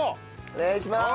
お願いします。